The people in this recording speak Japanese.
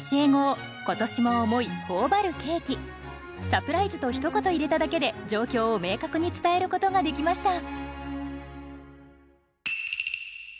「サプライズ！」とひと言入れただけで状況を明確に伝えることができました。